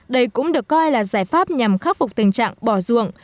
đây cũng được coi là giải pháp nhằm khắc phục tình trạng bỏ ruộng